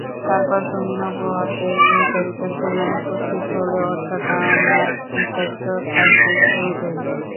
তারপর তুমি নবুওতের নির্ধারিত সময়ে উপস্থিত হলে অর্থাৎ আমার নির্ধারিত তাকদীর অনুযায়ী।